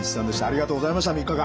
ありがとうございました３日間。